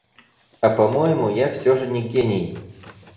А по-моему, я всё же не гений.